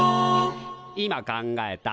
今考えた。